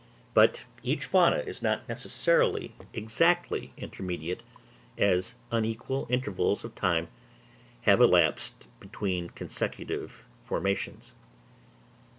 But each fauna is not necessarily exactly intermediate, as unequal intervals of time have elapsed between consecutive formations.